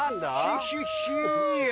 ヒヒヒア。